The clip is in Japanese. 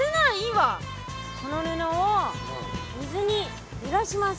この布を水にぬらします。